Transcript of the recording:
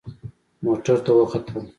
موټر ته وختم.